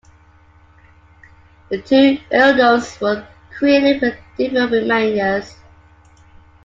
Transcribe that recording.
The two earldoms were created with different remainders.